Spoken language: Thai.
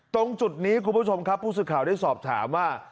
ตรงจุดนี้คุณผู้ชมครับผู้สื่อข่าวได้สอบถามว่า